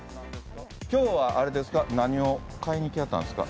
今日はあれですか何を買いに来はったんですか？